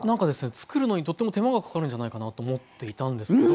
作るのにとっても手間がかかるんじゃないかなと思っていたんですけど。